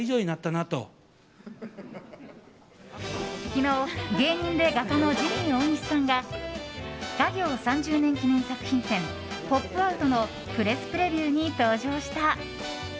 昨日芸人で画家のジミー大西さんが画業３０年記念作品展「ＰＯＰＯＵＴ」のプレスプレビューに登場した。